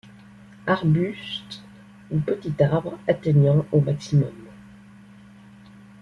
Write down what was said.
Arbuste ou petit arbre atteignant au maximum.